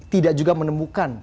tidak juga menemukan